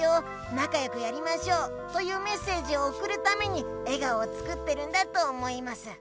なかよくやりましょう」というメッセージをおくるために笑顔を作ってるんだと思います。